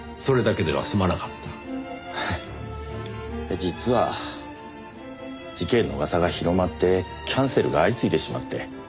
実は事件の噂が広まってキャンセルが相次いでしまって。